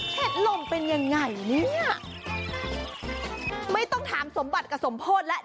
ลมเป็นยังไงเนี่ยไม่ต้องถามสมบัติกับสมโพธิแล้ว